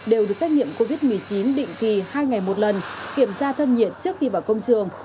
đều được xét nghiệm covid một mươi chín định kỳ hai ngày một lần kiểm tra thân nhiệt trước khi vào công trường